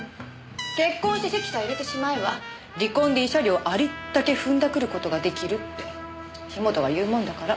結婚して籍さえ入れてしまえば離婚で慰謝料ありったけふんだくる事が出来るって樋本が言うもんだから。